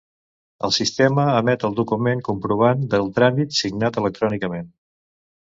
El sistema emet el document-comprovant del tràmit, signat electrònicament.